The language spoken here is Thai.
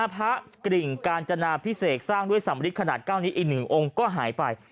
พระกริ่งกาญจนาพิเศษสร้างด้วยสำริดขนาด๙นี้อีก๑องค์ก็หายไป